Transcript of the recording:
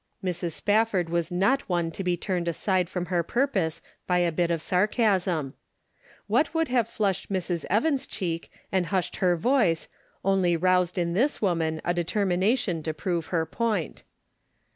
Mrs. Spafford was not one to be turned aside from her purpose by a bit of sarcasm. What would have flushed Mrs. Evans' cheek and 82 The Pocket Measure. hushed her voice, only roused in this woman a determination to prove her point.